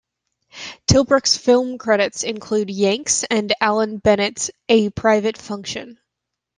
Tilbrook's film credits include "Yanks" and Alan Bennett's "A Private Function".